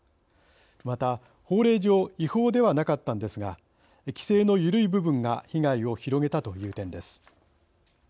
また法令上違法ではなかったのですが規制の緩い部分が被害を広げたという点です。